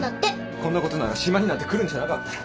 こんなことなら島になんて来るんじゃなかった。